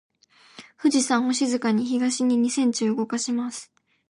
富士山を静かに東に二センチ動かします。